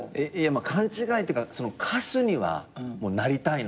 勘違いっていうか歌手にはなりたいなって。